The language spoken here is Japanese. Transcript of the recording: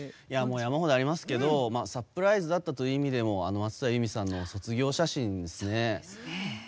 山ほどありますけどサプライズだったという意味でも松任谷由実さんの「卒業写真」ですね。